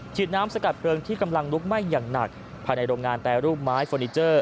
ฉีดน้ำสกัดเพลิงที่กำลังลุกไหม้อย่างหนักภายในโรงงานแปรรูปไม้เฟอร์นิเจอร์